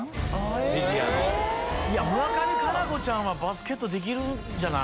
村上佳菜子ちゃんはバスケットできるんじゃない？